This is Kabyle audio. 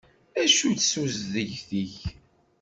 Acu-tt tuzegt-ik?